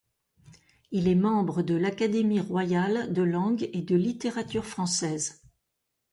Il est membre de l'Académie royale de langue et de littérature françaises.